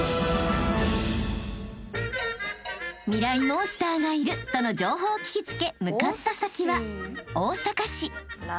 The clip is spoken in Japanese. モンスターがいるとの情報を聞き付け向かった先は］